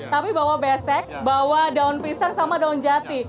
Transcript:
tapi bawa besek bawa daun pisang sama daun jati